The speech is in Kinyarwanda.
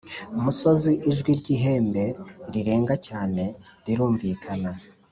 musozi Ijwi ry ihembe rirenga cyane rirumvikana